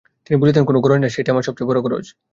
তিনি বলিতেন, কোনো গরজ নাই, সেইটেই আমার সব চেয়ে বড়ো গরজ।